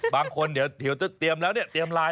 บางคนเดี๋ยวเเตรียมไลน์ละเนี้ย